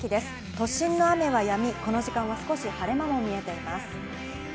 都心の雨はやみ、この時間は少し晴れ間も見えています。